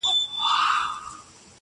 • د دوی مخ ته د ملګري کښېناستل وه -